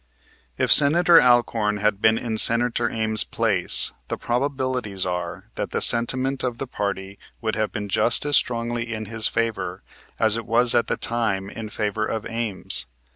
If Senator Alcorn had been in Senator Ames' place the probabilities are that the sentiment of the party would have been just as strongly in his favor as it was at that time in favor of Ames.